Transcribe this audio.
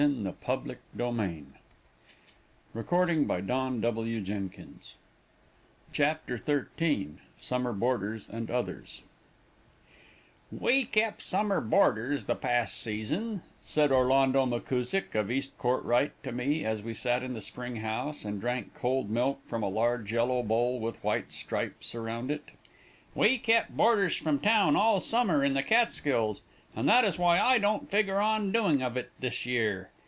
The Patriot. SUMMER BOARDERS AND OTHERS XIII "We kep' summer boarders the past season," said Orlando McCusick, of East Kortright, to me as we sat in the springhouse and drank cold milk from a large yellow bowl with white stripes around it; "we kep' boarders from town all summer in the Catskills, and that is why I don't figger on doing of it this year.